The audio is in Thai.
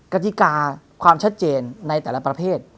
กติกาความชัดเจนในแต่ละประเภท